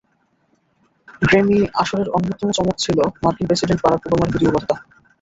Grammy আসরের অন্যতম চমক ছিল মার্কিন প্রেসিডেন্ট বারাক ওবামার ভিডিও বার্তা।